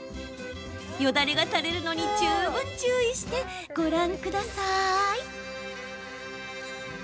よだれが垂れるのに十分注意してご覧ください。